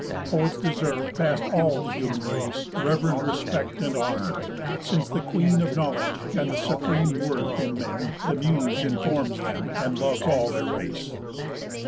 Poets deserve, past all the human race, Rev'rend respect and honour, since the queen Of knowledge, and the supreme worth in men, The Muse, informs them, and loves all their race."